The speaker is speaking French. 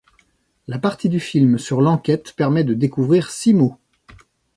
La partie du film sur l'enquête permet de découvrir Simo.